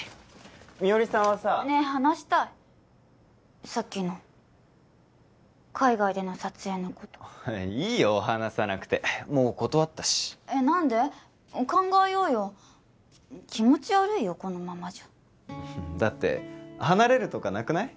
美織さんはさあねえ話したいさっきの海外での撮影のこといいよ話さなくてもう断ったしえっ何で考えようよ気持ち悪いよこのままじゃだって離れるとかなくない？